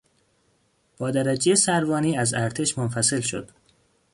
با درجهی سروانی از ارتش منفصل شد.